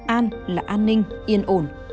an là an ninh yên ổn